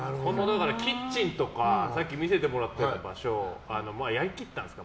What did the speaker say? キッチンとかさっき見せてもらったけどやりきったんですか？